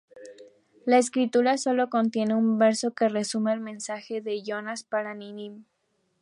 La escritura solo contiene un verso que resume el mensaje de Jonás para Nínive.